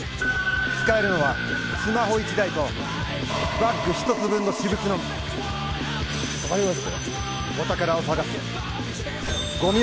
使えるのは、スマホ１台と、バッグ１つ分の私物のみ。